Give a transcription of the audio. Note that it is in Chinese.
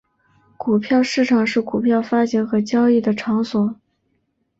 股票市场是股票发行和交易的场所。